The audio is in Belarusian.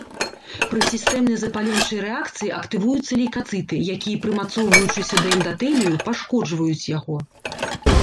Пры сістэмнай запаленчай рэакцыі актывуюцца лейкацыты, якія прымацоўваючыся да эндатэлію пашкоджваюць яго.